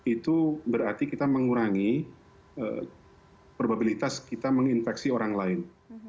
itu berarti kita mengurangi probabilitas kita menginfeksi orang lain